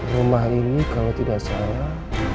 rumah ini kalau tidak salah